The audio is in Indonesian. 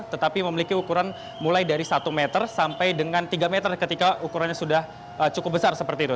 tetapi memiliki ukuran mulai dari satu meter sampai dengan tiga meter ketika ukurannya sudah cukup besar seperti itu